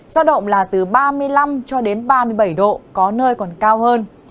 do động là từ ba mươi năm ba mươi bảy độ có nơi còn cao hơn